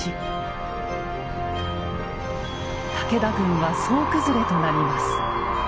武田軍は総崩れとなります。